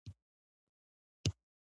د ورغوي تڼاکه یې اوبه نه شوه.